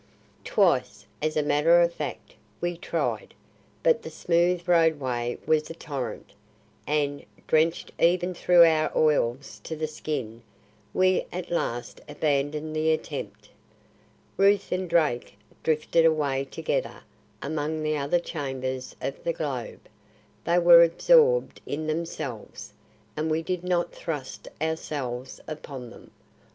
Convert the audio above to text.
Twice, as a matter of fact, we tried; but the smooth roadway was a torrent, and, drenched even through our oils to the skin, we at last abandoned the attempt. Ruth and Drake drifted away together among the other chambers of the globe; they were absorbed in themselves, and we did not thrust ourselves upon them.